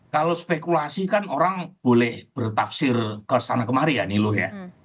kalau spekulasi kan orang boleh bertafsir kesana kemari ya niluh ya